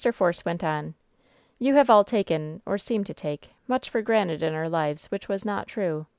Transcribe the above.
Force went on : "You have all taken — or seemed to take — ^much for granted in our lives which was not true.